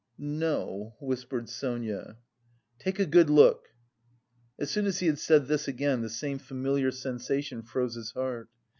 "N no..." whispered Sonia. "Take a good look." As soon as he had said this again, the same familiar sensation froze his heart.